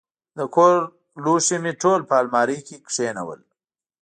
د کور لوښي مې ټول په المارۍ کې کښېنول.